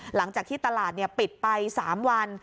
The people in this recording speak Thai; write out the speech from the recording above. หลังจากที่ตลาดปิดไป๓วัน